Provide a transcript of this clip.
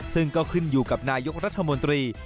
ซึ่งก็ขึ้นอยู่กับนายกรัฐมนตรี